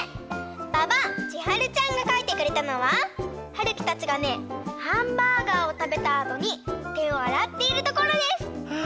ばばちはるちゃんがかいてくれたのははるきたちがねハンバーガーをたべたあとにてをあらっているところです！